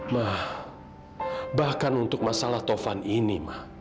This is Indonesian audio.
ma bahkan untuk masalah tovan ini ma